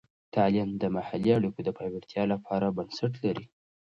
تعلیم د محلي اړیکو د پیاوړتیا لپاره بنسټ لري.